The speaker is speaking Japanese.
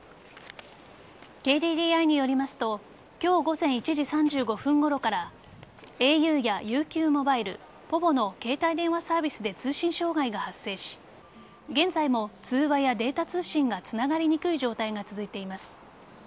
ＫＤＤＩによりますと今日午前１時３５分ごろからａｕやＵＱモバイルｐｏｖｏの携帯電話サービスで通信障害が発生し現在も通話やデータ通信がつながりにくい状態が続いています。